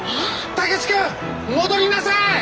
武志君！戻りなさい！